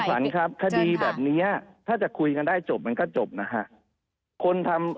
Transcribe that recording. คุณจอมขวัญครับคดีแบบนี้ถ้าจะคุยกันได้จบมันก็จบนะครับ